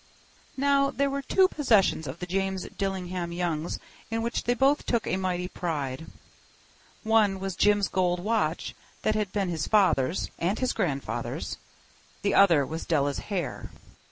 Now, there were two possessions of the James Dillingham Youngs in which they both took a mighty pride. One was Jim's gold watch that had been his father's and his grandfather's. The other was Della's hair.